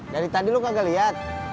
dari tadi lo kagak liat